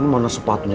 ya manatre sepatunya